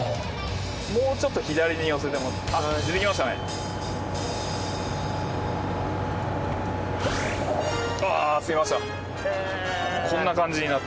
もうちょっと左に寄せてもらって。